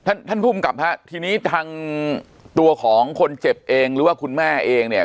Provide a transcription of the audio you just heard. ท่านท่านภูมิกับฮะทีนี้ทางตัวของคนเจ็บเองหรือว่าคุณแม่เองเนี่ย